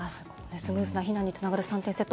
スムーズな避難につながる３点セット